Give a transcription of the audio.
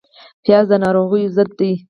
پیاز د ناروغیو ضد ده